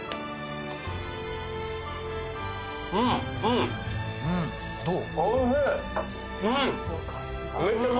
うんうんどう？